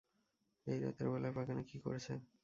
এই রাতের বেলায় বাগানে কী করছে!